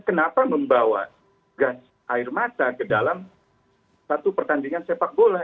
kenapa membawa gas air mata ke dalam satu pertandingan sepak bola